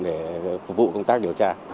để phục vụ công tác điều tra